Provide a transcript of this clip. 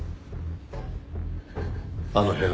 あの部屋